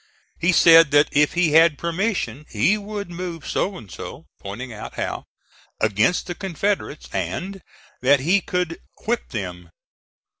He said that if he had permission he would move so and so (pointing out how) against the Confederates, and that he could "whip them."